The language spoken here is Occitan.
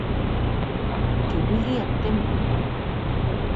Qué digui eth temple!